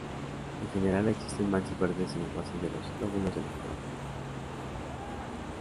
En general, existen manchas verdes en las bases de los lóbulos de la corola.